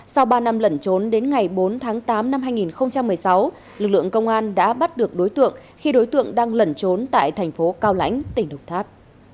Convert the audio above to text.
sau ba năm lẩn trốn đến ngày bốn tháng tám năm hai nghìn một mươi sáu lực lượng công an đã bắt được đối tượng khi đối tượng đang lẩn trốn tại thành phố cao lãnh tỉnh đồng tháp